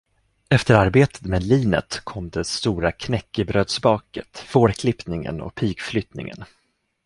Efter arbetet med linet kom det stora knäckebrödsbaket, fårklippningen och pigflyttningen.